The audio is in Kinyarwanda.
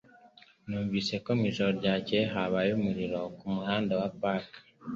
Numvise ko mu ijoro ryakeye habaye umuriro ku muhanda wa Park.